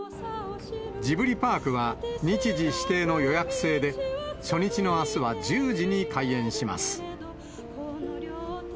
ジブリパークは日時指定の予約制で、初日のあすは１０時に開園します。